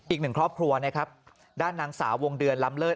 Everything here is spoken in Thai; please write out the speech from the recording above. อีกหนึ่งครอบครัวนะครับด้านนางสาววงเดือนล้ำเลิศ